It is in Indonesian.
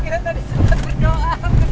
kita tadi sudah berdoa